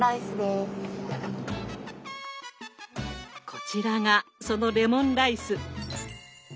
こちらがそのレモンライス。